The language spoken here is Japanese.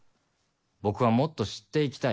僕はもっと知っていきたい。